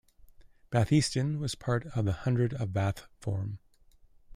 Batheaston was part of the hundred of Bath Forum.